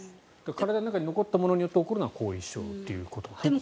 体の中に残ったものによって起こるのが後遺症ということなんですね。